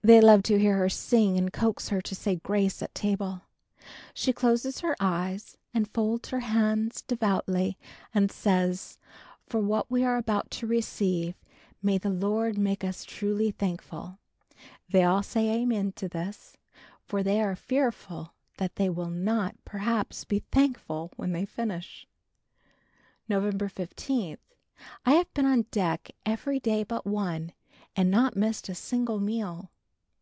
They love to hear her sing and coax her to say "Grace" at table. She closes her eyes and folds her hands devoutly and says, "For what we are about to receive, may the Lord make us truly thankful." They all say "Amen" to this, for they are fearful that they will not perhaps be "thankful" when they finish! November 15. I have been on deck every day but one, and not missed a single meal.